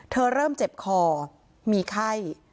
เริ่มเจ็บคอมีไข้